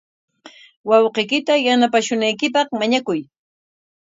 Wawqiykita yanapashunaykipaq mañakuy.